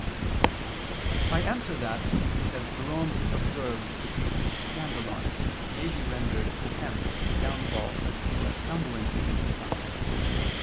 '" I answer that, As Jerome observes the Greek skandalon may be rendered offense, downfall, or a stumbling against something.